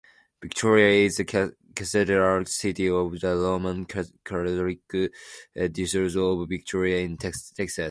Victoria is the cathedral city of the Roman Catholic Diocese of Victoria in Texas.